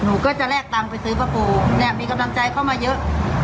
หนูก็จะแลกตังค์ไปซื้อปลาปูเนี่ยมีกำลังใจเข้ามาเยอะ